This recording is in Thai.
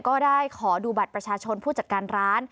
ก็ได้ขอดูบัตรประชาชนผู้จัดการร้าน